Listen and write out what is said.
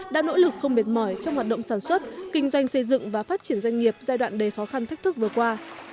đã nỗ lực không mệt mỏi trong hoạt động sản xuất kinh doanh xây dựng và phát triển doanh nghiệp giai đoạn đầy khó khăn thách thức vừa qua